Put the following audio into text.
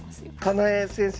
金井先生？